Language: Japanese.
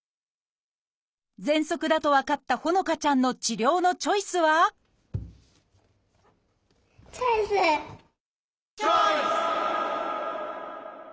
ぜんそくだと分かった帆乃花ちゃんの治療のチョイスはチョイス！